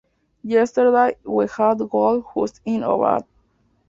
Yesterday we had a goal just in our hand.